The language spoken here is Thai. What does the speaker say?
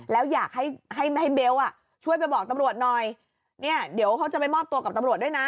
แล้วอยากให้ให้เบลอ่ะช่วยไปบอกตำรวจหน่อยเนี่ยเดี๋ยวเขาจะไปมอบตัวกับตำรวจด้วยนะ